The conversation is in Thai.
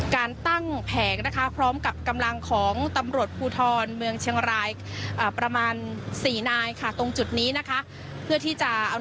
ก็ถือว่าเป็นบรรยากาศที่ปกติแล้วจากภาพที่เห็น